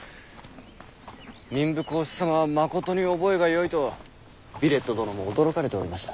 民部公子様はまことに覚えがよいとヴィレット殿も驚かれておりました。